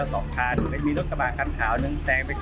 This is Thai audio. ก็เป็นอีกหนึ่งเหตุการณ์ที่เกิดขึ้นที่จังหวัดต่างปรากฏว่ามีการวนกันไปนะคะ